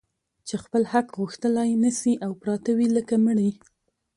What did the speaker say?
چي خپل حق غوښتلای نه سي او پراته وي لکه مړي